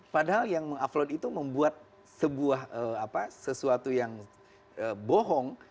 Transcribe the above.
padahal yang meng upload itu membuat sesuatu yang bohong